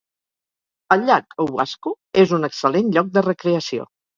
El llac Owasco és un excel·lent lloc de recreació.